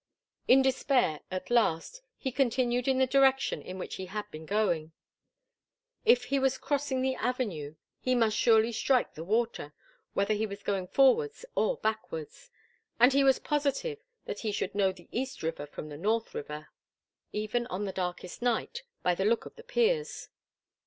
In despair, at last, he continued in the direction in which he had been going. If he was crossing the avenue he must surely strike the water, whether he went forwards or backwards, and he was positive that he should know the East River from the North River, even on the darkest night, by the look of the piers.